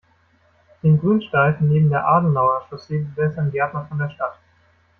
Den Grünstreifen neben der Adenauer-Chaussee bewässern Gärtner von der Stadt.